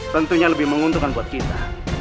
tentunya lebih menguntungkan buat kita